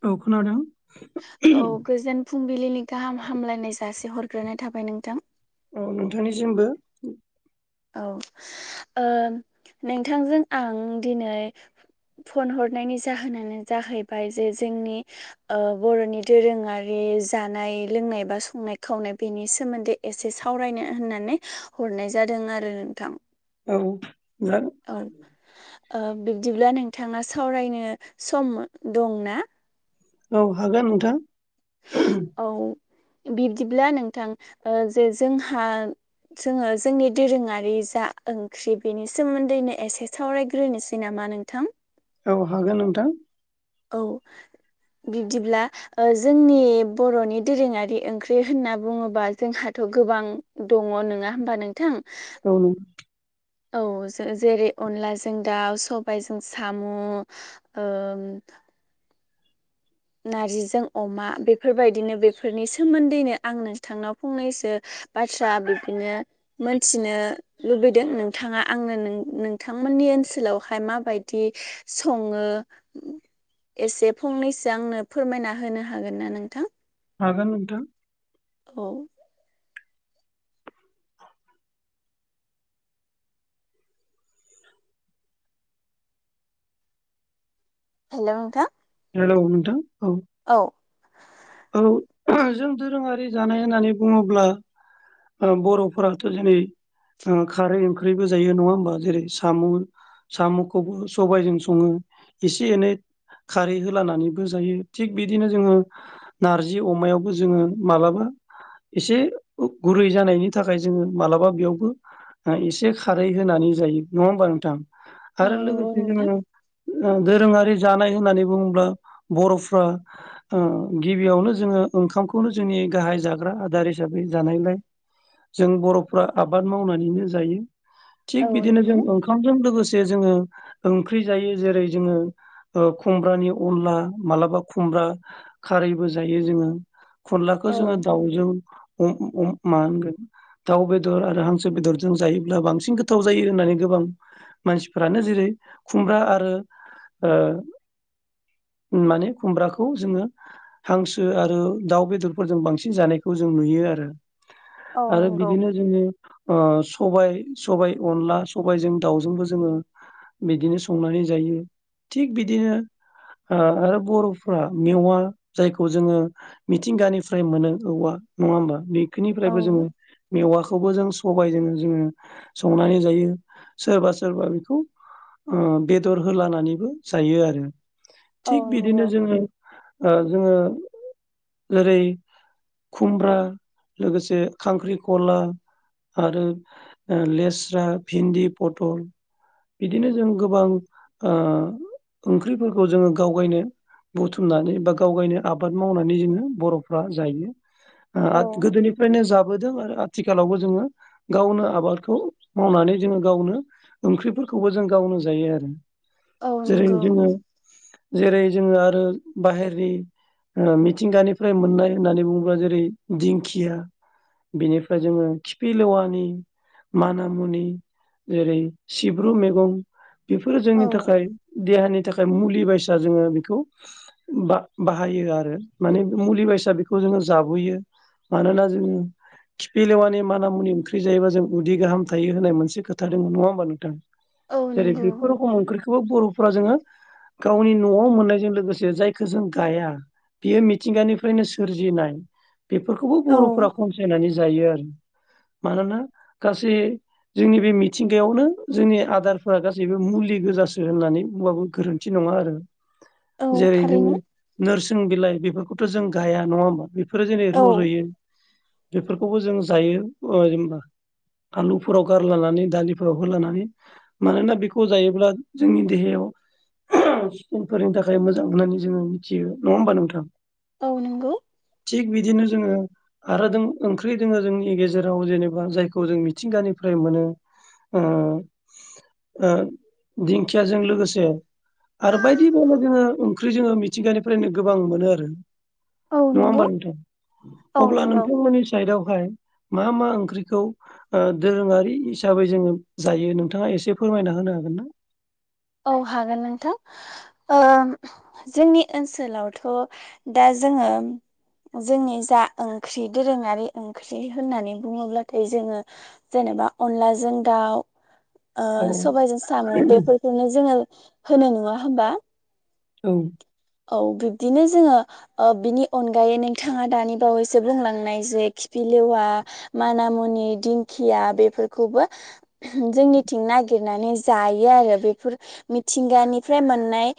औ खोनादों औ गोजोन फुंबिलिनि गाहाम हामलायनाय जासे हरग्रोनाय थाबाय नोंथां। औ नोंथांनिसिमबो। औ ओ नोंथांजों आं दिनै फन हरनायनि जाहोनानो जाहैबाय जे जोंनि ओ बर'नि दोरोङारि जानाय लोंनाय बा संनाय खावनाय बेनि सोमोन्दै एसे सावरायनो होननानै हर नाय जादों आरो नोंथां। औ जा औ ओ बिब्दिब्ला नोंथाङा सावरायनो सम दंना? औ हागोन नोंथां। औ बिब्दिब्ला नोंथां ओ जे जोंहा जोङो जोंनि दोरोङारि जा ओंख्रि बेनि सोमोन्दैनो एसे सावरायग्रोनोसै नामा मा नोंथां? औ हागोन नोंथां। औ बिब्दिब्ला ओ जोंनि बर'नि दोरोङारि ओंख्रि होनना बुङोबा जोंहाथ' गोबां दङ नङा होमबा नोंथां? औ नो औ जे जेरै अनलाजों दाउ सबायाइजों साम' ओम [unintelligible] नारजिजों अमा बेफोरबायदिनो बेफोरनि सोमोन्दैनो आं नोंथांनाव फंनैसो बाथ्रा बिदिनो मोनथिनो लुबैदों नोंथाङा आंनो नों नोंथांमोन नि ओनसोलावहाय माबायदि सङो एसे फंनैस सो फोरमायना होनो हागोन ना नोंथां? हागोन नोंथां‌। औ हेल' नोंथां हेल' नथां औ औ जों दोरोङारि जानाय होननानै बुङोब्ला ओ बर'फोराथ' दिनै ओ खारै ओंख्रिबो जायो नङा होमबा जेरै साम' साम'खौबो सबायाइजों सङो। इसे एनै खारै होलानानैबो जायो थिग बिदिनो जोङो नारजि अमायावबो जोङो मालाबा एसे गुरै जानायनि थाखाय जोङो मालाबा बेयावबो एसे खारै होनानै जायो नङा होमबा नोंथां? औ आरो नंगौ लोगोसे नोंथां जोङो दोरोङारि जानाय होननानै बुङोब्ला बर'फ्रा ओ गिबियावनो जोङो ओंखामखौनो जोंनि गाहाइ जाग्रा आदार हिसाबै जानायलाय जों बर'फ्रा आबाद मावनानैनो जायो। थिग औ बिदिनो जों नंगौ ओंखामजों लोगोसे जोङो ओंख्रि जायो जेरै जोङो ओ खुमब्रानि अनला मालाबा खुमब्रा खारैबो जायो जोङो। अनलाखौ औ जोङो दाउजों अम अम मा होनगोन? दाउ बेदर आरो हांसो बेदरजों जायोब्ला बांसिन गोथाव जायो होननानै गोबां मानसिफोरानो जेरै खुमब्रा आरो ओ [inaudible] माने खुमब्राखौ जोङो हांसो आरो दाउ बेदरफोरजों बांसिन जानायखौ जों नुयो आरो औ आरो नंगौ बिदिनो जोङो ओ सबाय सबाय अनला सबायजों दाउजोंबो जोङो बिदिनो संनानै जायो थिग बिदिनो आरो बर'फ्रा मेवा जायखौ जोङो मिथिंगानिफ्राय मोनो औवा नङा होमबा ब [inaudible] औ खोनिफ्रायबो जोङो मेवाखो खौबो जों सबायजों जोङो संनानै जायो सोरबा सोरबा बेखौ बेदर होलानानैबो जायो आरो औ थिग नंगौ बिदिनो जोङो ओ जोङो जेरै खुमब्रा लोगोसे खांख्रिखला आरो लेस्रा भिन्दि पटल बिदिनो जों गोबां ओ ओंख्रिफोरखौ जोङो गावगायनो बुथुमनानै बा गाव गायनो आबाद मावनानै जोङो बर'फ्रा जायो। औ गोदोनिफ्रायनो जाबोदों आरो आथिखालावबो जोङो गावनो आबादखौ मावनानै जोङो गावनो ओंख्रिफोरखौबो जों गावनो जायो आरो। औ जेरै नंगौ। जोङो जेरै जोङो आरो बाहेरनि मिथिंगानिफ्राय मोननाय होननानै बुङोब्ला जेरै दिंखिया बिनिफ्राय जोङो खिफि लेवानि माना मुनि जेरै सिब्रु मैगं बेफोरो औ जोंनि थाखाय देहानि थाखाय मुलि बायसा जोङो बेखौ बा-बाहायो आरो माने मुलि बायसा बेखौ जोङो जाबोयो मानोना जोङो खिफिलेवानि माना मुनि ओंख्रि जायोबा जों उदै गाहाम थायो होननाय मोनसे खोथा दङ नङा होमबा नोंथां? औ जेरै नंगौ बेफोर रखम ओंख्रिखौबो बर'फोरा जोङो गावनि न'आव मोननायजों लोगोसे जायखो जों गाया बियो मिथिंगानिफ्रायनो सोरजिनाय बेफोरखौबो औ बर'फोरा खनसायनानै जायो आरो मानोना गासै जोंनि बे मिथिंगायावनो जोंनि आदारफोरा गासैबो मुलि गोजासो होननानै बुंबाबो गोरोन्थि नङा आरो औ जेरै थारैनो नोरसिं बिलाइ बेफोरखौथ' जों गाया नङा होमबा बेफोरो जेरै औ रज'यो बेफोरखौबो जों जायो ओ जेनबा आलुफोराव गारलानानै दालिफोराव होलानानै मानोना बेखौ जायोब्ला जोंनि देहायाव [inaudible] फोरनि थाखाय मोजां होननानै जोङो मिथियो नङा होमबा नोंथां? औ नंगौ। थिग बिदिनो जोङो आरो दों ओंख्रि दोङो जोंनि गेजेराव जेनेबा जायखौ जों मिथिंगानिफ्राय मोनो। ओ ओ दिंखियाजों लोगोसे आरो बायदि बेला जोङो ओंख्रि जोङो मिथिंगानिफ्रायनो गोबां मोनो आरो औ नङा नंगौ होमबा नोंथां औ अब्ला नंगौ नोंथांमोननि साइदआवहाय मा मा ओंख्रिखौ ओ दोरोङारि हिसाबै जोङो जायो नोंथाङा एसे फोरमायना होनो हागोन ना? औ हागोन नोंथां। ओ‌ जोंनि ओनसोलावथ' दा जोङो जोंनि जा ओंख्रि दोरोङारि ओंख्रि होननानै बुङोब्लाथाय जोङो जेन जेनेबा अनलाजों दाउ ओ‌ औ सबायजों सामो बेफोरखौनो जोङो होनो नङा होमबा। औ। औ बिब्दिनो जोङो बिनि अनगायै नोंथाङा दानि बावैसो बुंलांनाय जे खिफि लेवा माना मुनि दिंखिया बेफोरखौबो जोंनिथिं नागि‌‍‌र नानै जायो आरो बेफोर मिथिंगानिफ्राय मोननाय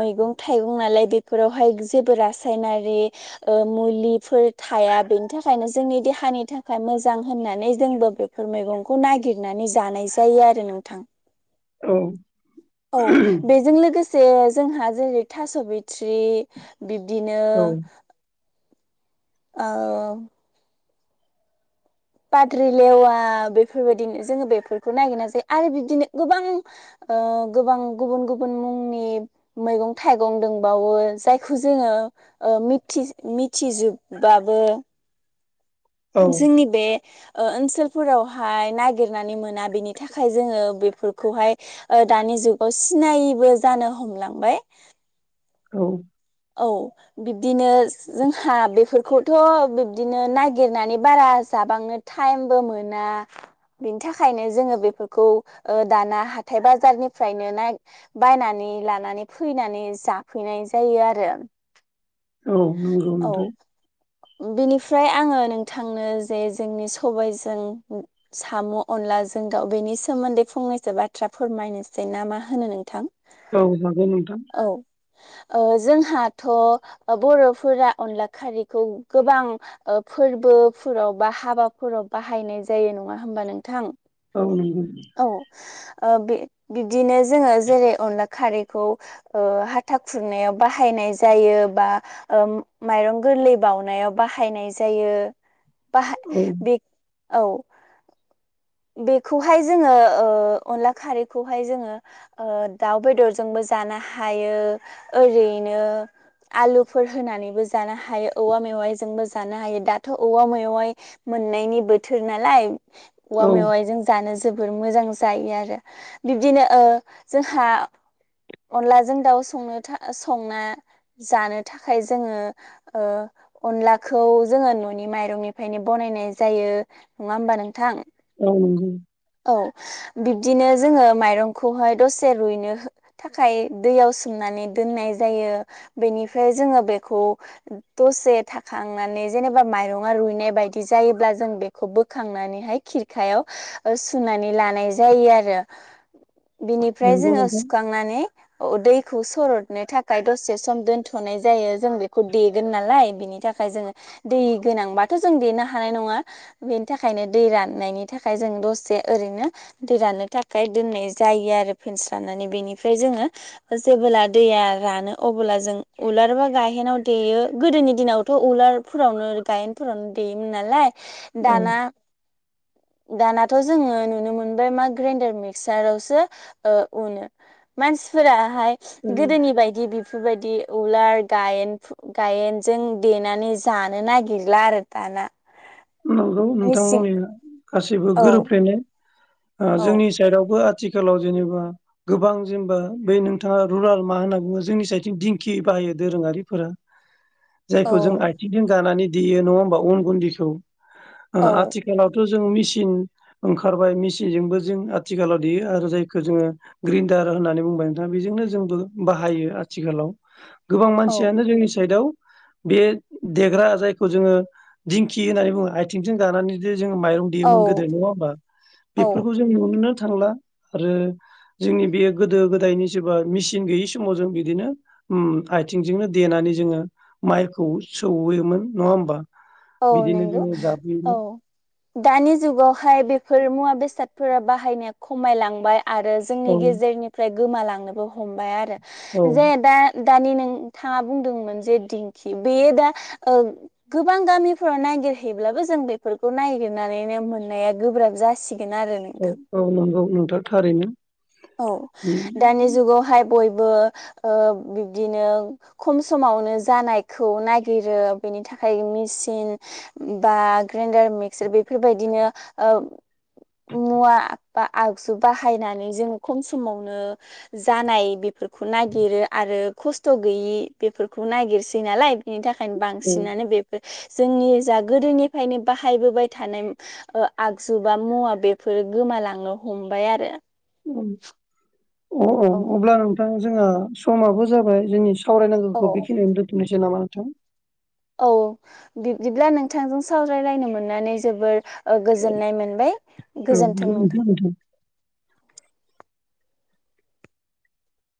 मैगं‌ थाय थाइगं नालाय बेफोरावहाय जेबो रासायनारिओ मुलिफोर थाया बेनि थाखाय खायनो जोंनि देहानि थाखाय मोजां होननानै जोंबो बेफोर मैगंखौ नागिरनानै जानाय जायो आरो नोंथां। औ। औ बेजों लोगोसे जोंहा जेरै थास' बिथ्रि बिब्दिनो औ औ पाद्रि लेवा बेफोरबायदिनो जोङो बेफोरखौ नागिरनाय जायो आरो बिदिनो गोबां ओ गोबां गुबुन गुबुन मुंनि मैगं थाइगं दंबावो जायखौ जोङो ओ मिथि मिथिजोबबाबो जोंनि बे ओ ओनसोलफोरावहाय नागिरनानै मोना बेनि थाखाय जोङो बेफोरखौहाय ओ दानि जुगाव सिनायैबो जानो हमलांबाय। औ। औ बिब्दिनो जोंहा बेफोरखौथ' बिब्दिनो नागिरनानै बारा जा बांनो‌ टाइमबो मोना बिनि थाखायनो जोङो बेफोरखौओ दाना हाथाय बाजारनिफ्रायनो नाय बायनानै लानानै फैनानै जाफैनाय जायो आरो औ नंगौ‌ नोंथां। बिनिफ्राय आङो नोंथांनो जे जोंनि सबायजों साम' अनला दा जों दाव बेनि सोमोन्दै फंनैसो बाथ्रा फोरमायनोसै ना मा होनो नोंथां? औ जागोन नोंथां। औ ओ जोंहाथ' बर'फोरा अनला खारैखौ गोबां फोरबोफोराव बा हाबाफोराव बाहायनाय जायो न नङा हबा नोंथां औ नंगौ औ बे बिबदिनो जोङो जेरै अनला खारैखौ ओ हाथा खुरनायाव बाहायनाय जायो बा मायरं ओ गोरलै बाव बनायाव बाहायनाय जायो‌ बाहा औ बेखो औ [inaudible] बेखौहाय जोङो ओ‌ अनला खारैखौहाय जोङो ओ दाउ बेदरजोंबो जानो हायो‌ओरैनो आलुफोर होनानैबो जानो‌ हायो औवा मेवा मेवाइ जोंबो जानो हायो दाथ' औवा मेवाइ मोननायनि बोथोर नालाय औवा औ मेवाइजों जानो जोबोर मोजां जा जायो आरो बिब्दिनो ओ जोंहा अनलाजों दाउ संनोथा संनो जानो थाखाय जोङो ओ अनलाखौ जोङो न'नि माइरंनिफ्रायनो बानायनाय जायो नङा होमबा नोंथां। औ नगौ। औ बिब्दिनो जोङो माइरंखौहाय दसे रुइनो थाखाय दैयाव सोमनानै दोननाय जायो बेनिफ्राय जोङो बेखौ दसे थाखांनानै जेनेबा माइरङा रुइनाय बायदि जायोब्ला जों बेखौ बोखांनानैहाय खिरखायाव सुनानै ओ लानाय जायो आरो बिनिफ्राय नंगौ जोङो नोंथां सुखांनानै ओ दैखौ सरदनो थाखाय दसे सम दोनथ'नाय जायो जों बेखौ देगोन नालाय बिनि थाखाय जोङो दै गोनांबाथ' जों देनो हानाय नङा बेनि थाखायनो दै राननायनि थाखाय जों दसे ओरैनो दै राननो थाखाय दोननाय ओ जेबोला दैया रानो अबोला जों उलारबा गाहेनाव देयो गोदोनि दिनाव थ' उलारफोरावनो गायेनफोरावनो देयोमोन नालाय औ दाना दानाथ' जोङो नुनो मोनबाय मा ग्राइन्डार मिक्सारावसो ओ उनो मानसिफोरा हाय गोदोनि बायदि बिफोरबायदि उलार गायेन गायेजों देनानै जानो नागिरला आरो दाना नंगौ नोंथां मेचिन [unintelligible] गासैबो औ गोरोबफ्लेनाय ओ औ जोंनि सायेदावबो थिखालाव जेनेबा गोबां जेनबा बै नोंथाङा रुलार मा होनना बुङो जोंनि साइडथिं दिंखि बा यो दोरोङारिफोरा औ जायखौ जों आयथिंजों गानानै देयो नङा होमबा अन गुन्दैखौ ओ औ आथिखालावथो जों मिचिन ओंखारबाय मिचजोंबो जों आथिखालाव देयो आरो जायखो जोङो ग्रिन्डार होनानै बुंबाय नोंथाङा बेजोंनो जोंबो बाहायो आथिखालाव औ बे देग्रा जायखौ जोङो दिंखि होननानै बुङो आयथिंजोंं गानानै जे जों माइरं देयोमोन औ गोदो नवा होमबा औ बेफोरखौ जों नुनो मोनो थांला आरो जोंनि बे गोदो गोदायनि सोबा मिचिन गैयि समाव जों बिदिनो उम आयथिंजोंनो देनानै जोङो माइखौ सौहैयोमोन नङा होमबा औ बिदिनो नोंगौ [unintelligible] दानि जुगावहाय बेफोर मुवा बेसादफोरा बाहायनाया खमायलांबाय आरो जोंनि औ गेजेरनिफ्राय गोमालांनोबो हमबाय आरो औ जे दा दानि नोंथाङा बुंदोंमोन जे दिंखि बेयो दा ओ गोबां गामिफोराव नायगिरहैब्लाबो जों बेफोरखौ नायगिरनानैनो मोननाया गोब्राब जासि ओ औ नंगौ नोंथा थारैनो औ उम दानि जुगावहाय बयबो ओ बिब्दिनो खम समावनो जानायखौ नागिरो बे नि थाखाय मिचिन बा ग्राइन्डार मिक्सार बेफोरबायदिनो ओ मुवा बा आगजु बाहायनानै जों खम समावनो जानाय बेफोरखौ नागिरो आरो खस्थ' गैयि बेफोरखौ नायगिरसै नालाय बिनि थाखायनो औ बांसिनानो बेफोर जोंनि जा गोदोनिफ्रायनो बाहायबोबाय थानाय ओ आगजु बा मुवा बेफोरो गोमालांनो हमबाय आरो अ अ औ अब्ला नोंथां जोंङो समाबो जाबाय जोंनि औ सावरायनांगोखौ बेखिनियावनो दोन्थ'नोसै नामा नोंथां औ बिब्दिब्ला नोंथांजों सावरायलायनो मोननानै जोबोर ओ गोजोननाय मोनबाय गोजोनथों नोंथां